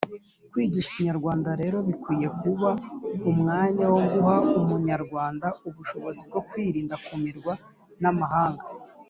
Kwigisha ikinyarwanda rero bikwiye kuba umwanya wo guha Umunyarwanda ubushobozi bwo kwirinda kumirwa n’amahanga,